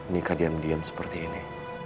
nikah diam diam seperti ini